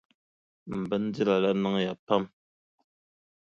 M bindira la niŋya pam.